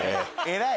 偉い！